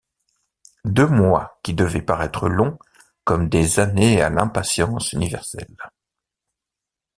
Deux mois qui devaient paraître longs comme des années à l’impatience universelle!